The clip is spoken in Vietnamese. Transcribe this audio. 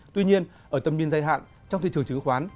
tuy nhiên ở tầm biên giai hạn trong thị trường chứng khoán